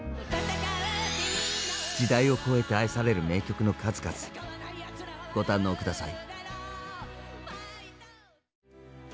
時代を超えて愛される名曲の数々ご堪能下さい。